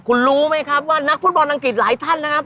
คุณรู้ไหมครับว่านักฟุตบอลอังกฤษหลายท่านนะครับ